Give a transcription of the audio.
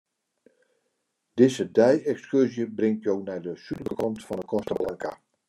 Dizze dei-ekskurzje bringt jo nei de súdlike kant fan 'e Costa Blanca.